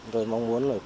rồi mong muốn